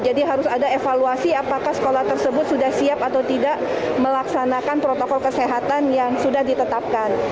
jadi harus ada evaluasi apakah sekolah tersebut sudah siap atau tidak melaksanakan protokol kesehatan yang sudah ditetapkan